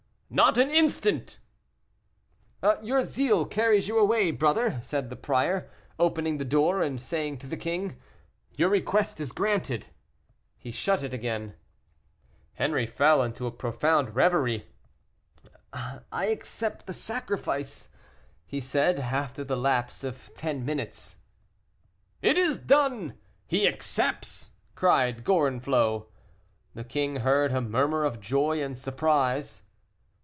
"Not an instant!" "Your zeal carries you away, brother," said the prior, opening the door; and saying to the king, "Your request is granted," he shut it again. Henri fell into a profound reverie. "I accept the sacrifice," he said, after the lapse of ten minutes. "It is done he accepts!" cried Gorenflot. The king heard a murmur of joy and surprise.